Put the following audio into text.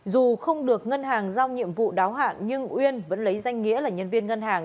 dù không được ngân hàng giao nhiệm vụ đáo hạn nhưng uyên vẫn lấy danh nghĩa là nhân viên ngân hàng